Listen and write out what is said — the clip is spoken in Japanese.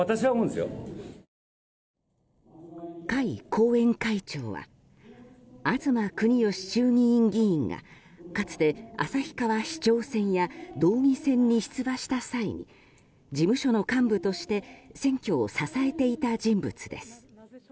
甲斐後援会長は東国幹衆議院議員がかつて、旭川市長選や道議選に出馬した際に事務所の幹部として選挙を支えていた人物です。